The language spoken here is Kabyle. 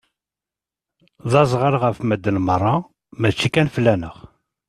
D azɣal ɣef madden meṛṛa mačči kan fell-aneɣ.